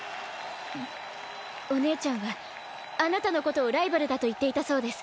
お姉ちゃんはあなたのことをライバルだと言っていたそうです。